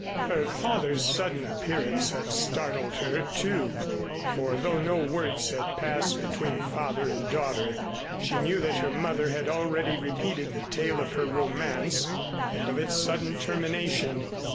Her father's sudden appearance had startled her, too, for though no words had passed between father and daughter, she knew that her mother had already repeated the tale of her romance and of its sudden termination.